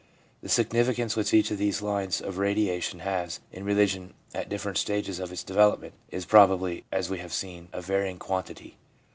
The significance which each of these lines of radiation has in religion at different stages of its development is probably, as we have seen, a varying quantity.